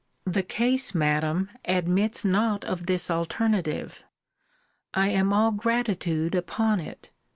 The case, Madam, admits not of this alternative. I am all gratitude upon it.